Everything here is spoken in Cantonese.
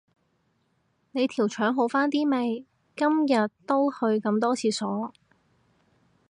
你條腸好返啲未，每日都去咁多廁所